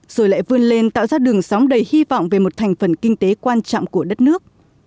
rồi lại vươn lên tạo ra đường sóng đầy hy vọng về một thành phần kinh tế quan trọng của đất nước